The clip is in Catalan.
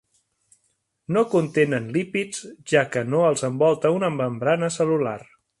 No contenen lípids, ja que no els envolta una membrana cel·lular.